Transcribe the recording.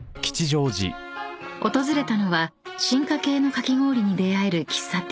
［訪れたのは進化系のかき氷に出合える喫茶店］